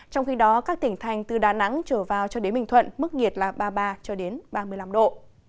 trong khi đó các tỉnh thành từ đà nẵng trở vào cho đến bình thuận mức nhiệt là ba mươi ba ba mươi năm độ